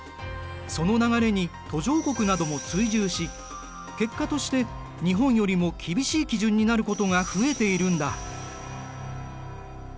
その流れに途上国なども追従し結果として日本よりも厳しい基準になることが増えているんだ。